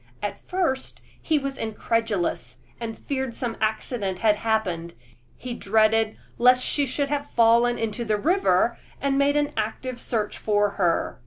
At first he was incredulous, and feared some accident had happened: he dreaded lest she should have fallen into the river, and made an active search for her.